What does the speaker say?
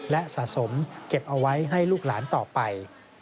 และสะสมเก็บเอาไว้ให้ลูกหลานต่อไป